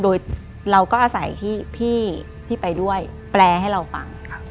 โดยเราก็อาศัยที่พี่ที่ไปด้วยแปลให้เราฟัง